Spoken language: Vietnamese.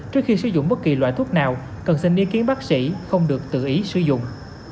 trước khi sử dụng bất kỳ loại thuốc nào cần xin ý kiến bác sĩ không được tự ý sử dụng